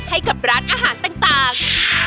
ให้กับร้านอาหารต่าง